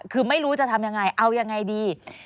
คือไม่รู้จะทำยังไงเอายังไงดี